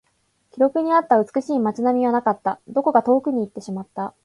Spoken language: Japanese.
記録にあった美しい街並みはなかった。どこか遠くに行ってしまった。